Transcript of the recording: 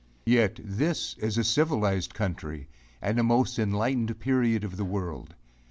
Yet this is a civilized country and a most enlightened period of the world!